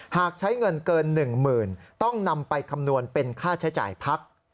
หากใช้เงินเกิน๑๐๐๐ต้องนำไปคำนวณเป็นค่าใช้จ่ายพัก